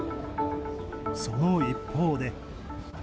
その一方で。